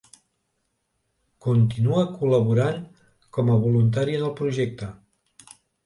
Continua col·laborant com a voluntari en el projecte.